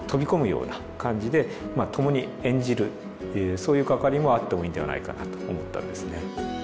そういう関わりもあってもいいんではないかなと思ったんですね。